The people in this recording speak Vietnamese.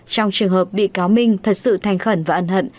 trong trường hợp bị cáo minh thật sự thành khẩn và ân hận